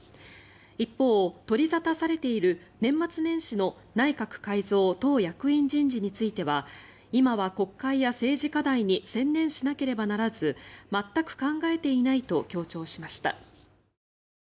一方、取り沙汰されている年末年始の内閣改造、党役員人事については今は国会や政治課題に専念しなければならず全く考えていないと強調しました。